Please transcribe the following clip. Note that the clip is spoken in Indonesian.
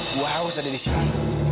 gua harus ada di sini